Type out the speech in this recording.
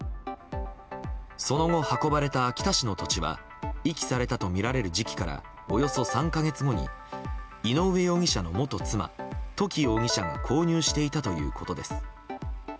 その後、運ばれた秋田市の土地は遺棄されたとみられる時期からおよそ３か月後に井上容疑者の元妻・土岐容疑者が購入していたということです。